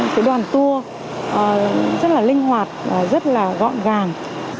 cái đoàn tour rất là linh hoạt và rất là gọn gàng